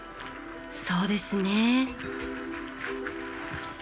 そうですね。